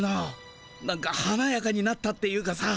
なんかはなやかになったっていうかさ。